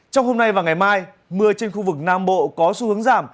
trong hôm nay và ngày mai mưa trên khu vực nam bộ có xu hướng giảm